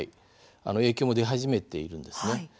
影響も出始めているんです。